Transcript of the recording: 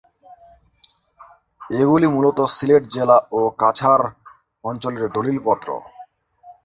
এগুলি মূলত সিলেট জেলা ও কাছাড় অঞ্চলের দলিলপত্র।